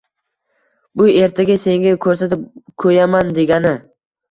Bu ertaga senga ko'rsatib ko'yaman degani.